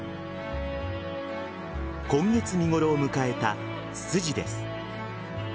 今月、見頃を迎えたツツジです。